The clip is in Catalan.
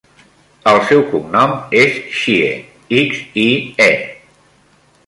El seu cognom és Xie: ics, i, e.